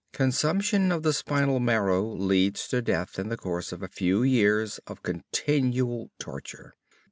Consumption of the spinal marrow leads to death in the course of a few years of continual torture.